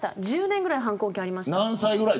１０年ぐらいありました。